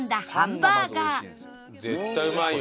絶対うまいよ。